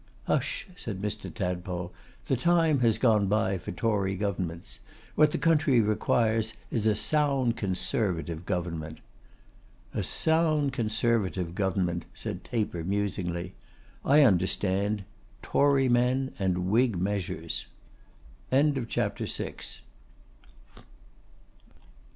'Hush!' said Mr. Tadpole. 'The time has gone by for Tory governments; what the country requires is a sound Conservative government.' 'A sound Conservative government,' said Taper, musingly. 'I understand: Tory men and Whig measures.' CHAPTER VII.